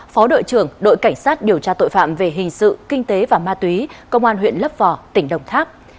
phó đội trưởng đội cảnh sát điều tra tội phạm về hình sự kinh tế và ma túy công an huyện lấp vò tỉnh đồng tháp